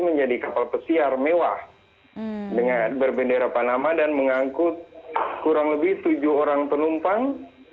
menjadi kapal pesiar mewah dengan berbendera panama dan mengangkut kurang lebih tujuh orang penumpang